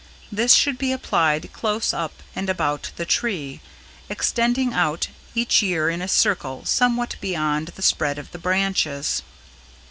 This should be applied close up and about the tree, extending out each year in a circle somewhat beyond the spread of the branches.